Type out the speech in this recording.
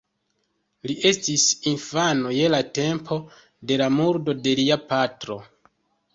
Li estis infano je la tempo de la murdo de lia patro.